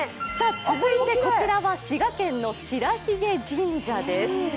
続いて、こちらは滋賀県の白鬚神社です。